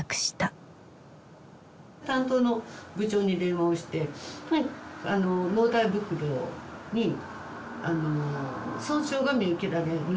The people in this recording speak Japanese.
担当の部長に電話をして納体袋に損傷が見受けられるんですが。